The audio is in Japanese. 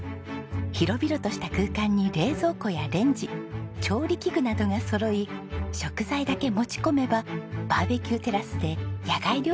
広々とした空間に冷蔵庫やレンジ調理器具などがそろい食材だけ持ち込めばバーベキューテラスで野外料理が楽しめます。